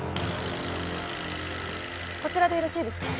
こちらでよろしいですか？